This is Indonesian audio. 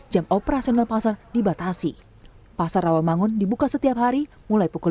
jam operasional pasar rewakarasi rewakarasi dan pasar rawamangun dihubungkan dengan penyemprotan cairan disinfektan ke seluruh sudut pasar